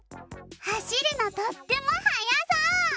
はしるのとってもはやそう！